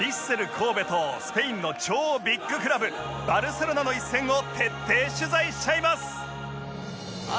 神戸とスペインの超ビッグクラブバルセロナの一戦を徹底取材しちゃいます